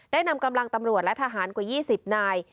นำกำลังตำรวจและทหารกว่า๒๐นาย